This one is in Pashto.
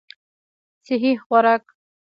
سهي خوراک